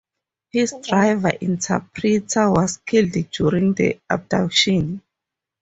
His driver-interpreter was killed during the abduction.